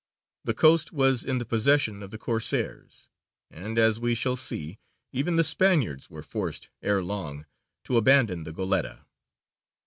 The coast was in the possession of the Corsairs, and, as we shall see, even the Spaniards were forced ere long to abandon the Goletta.